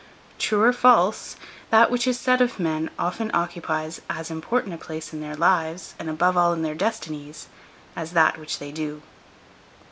True or false, that which is said of men often occupies as important a place in their lives, and above all in their destinies, as that which they do.